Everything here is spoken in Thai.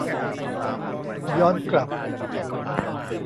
ย้อนกลับ